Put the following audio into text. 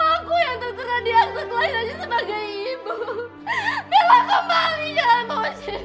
aku yang terkena diangkat lain aja sebagai ibu melaku balik jangan mohon shiva